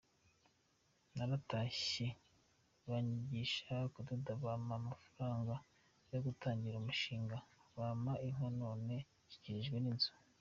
Naratashye banyigisha kudoda, bampa amafaranga yo gutangira umushinga, mpabwa inka, none nshyikirijwe inzu.